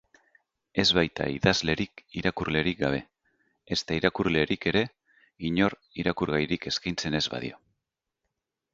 Ez baita idazlerik irakurlerik gabe, ezta irakurlerik ere, inork irakurgairik eskaintzen ez badio.